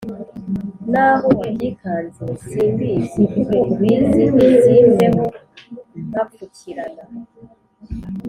n’aho wabyikanze si mbizi uko ubizi simveho mpapfukirana